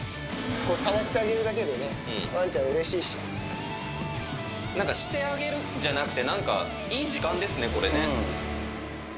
触ってあげるだけでね、なんか、してあげるじゃなくて、なんか、いい時間ですね、これね。